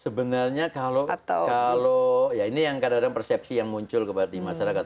sebenarnya kalau ya ini yang kadang kadang persepsi yang muncul kepada masyarakat